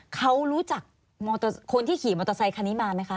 เขารู้จักคนที่ขี่มอเตอร์ไซคันนี้มาไหมคะ